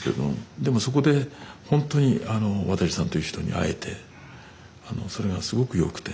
でもそこでほんとに渡さんという人に会えてあのそれがすごく良くて。